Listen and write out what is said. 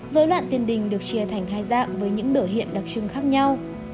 dối loạn tiền đình được chia thành hai dạng với những biểu hiện đặc trưng khác nhau